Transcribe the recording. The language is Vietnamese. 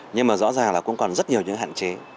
nhưng mà rõ ràng là cũng còn rất nhiều những hạn chế